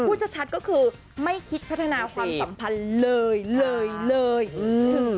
พูดชัดชัดก็คือไม่คิดพัฒนาความสัมพันธ์เลยเลยเลยอืม